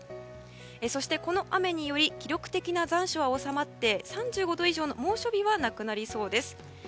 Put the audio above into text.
そして、この雨により記録的な残暑は収まって３５度以上の猛暑日はなくなりそうです。